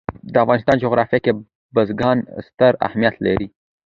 د افغانستان جغرافیه کې بزګان ستر اهمیت لري.